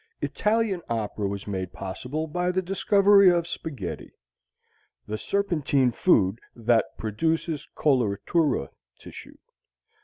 Italian opera was made possible by the discovery of spaghetti, the serpentine food that produces coloratura tissue.